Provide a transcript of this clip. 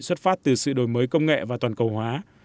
xuất phát từ sự đổi mới công nghệ và toàn cầu hóa